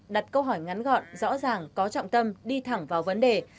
đặt câu hỏi ngắn gọn rõ ràng có trọng tâm đi thẳng vào vấn đề